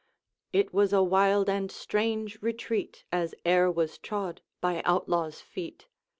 It was a wild and strange retreat, As e'er was trod by outlaw's feet.